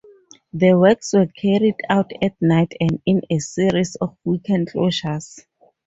The works were carried out at night and in a series of weekend closures.